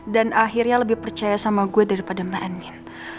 dan akhirnya lebih percaya sama gue daripada mbak andin